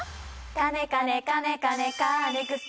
カネカネカネカネカーネクスト